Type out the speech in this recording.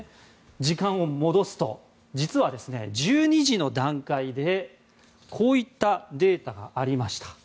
時間を戻すと実は、１２時の段階でこういったデータがありました。